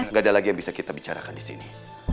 gak ada lagi yang bisa kita bicarakan disini